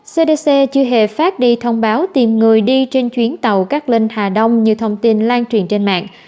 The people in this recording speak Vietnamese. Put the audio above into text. cdc chưa hề phát đi thông báo tìm người đi trên chuyến tàu cát linh hà đông như thông tin lan truyền trên mạng